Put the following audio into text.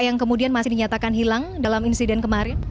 yang kemudian masih dinyatakan hilang dalam insiden kemarin